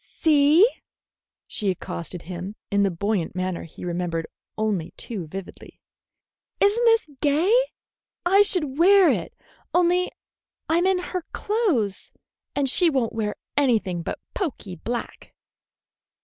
"See," she accosted him, in the buoyant manner he remembered only too vividly, "is n't this gay? I should wear it, only I'm in her clothes, and she won't wear anything but poky black."